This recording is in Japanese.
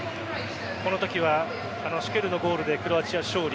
このときはシュケルのゴールでクロアチア勝利。